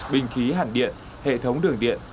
bình khí hẳn điện hệ thống đường điện